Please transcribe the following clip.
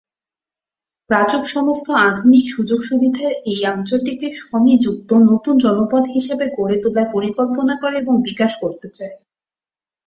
রাজউক সমস্ত আধুনিক সুযোগ-সুবিধাসহ এই অঞ্চলটিকে স্ব-নিযুক্ত নতুন জনপদ হিসাবে গড়ে তোলার পরিকল্পনা করে এবং বিকাশ করতে চায়।